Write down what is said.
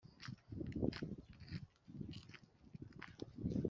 Ni uko mwatuye ibyokurya bihumanye ku gicaniro cyanjye